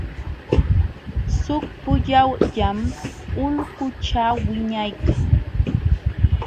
Suk puyallam ulqućhu wiñaykan.